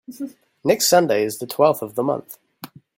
Next Sunday is the twelfth of the month.